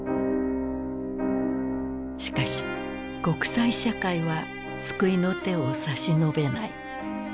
しかし国際社会は救いの手を差し伸べない。